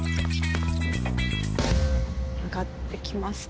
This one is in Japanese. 上がってきました。